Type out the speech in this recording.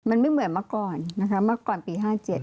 มันไม่เหมือนเมื่อก่อนมักก่อนปี๑๙๕๗